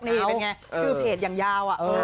นี่เป็นไงชื่อเพจอย่างยาว